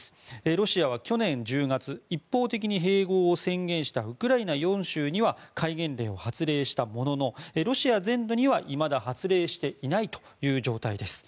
ロシアは去年１０月一方的に併合を宣言したウクライナ４州には戒厳令を発令したもののロシア全土にはいまだ発令していない状態です。